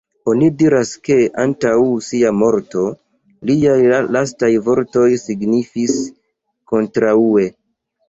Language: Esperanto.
Oni diras, ke antaŭ sia morto, liaj lastaj vortoj signifis "Kontraŭe".